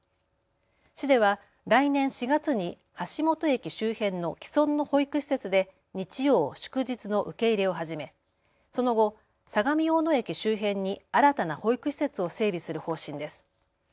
市では来年４月に橋本駅周辺の既存の保育施設で日曜、祝日の受け入れを始めその後、相模大野駅周辺に新たな保育施設を整備する方針です。